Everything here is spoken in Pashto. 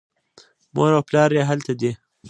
مور او پلار یې هلته دي.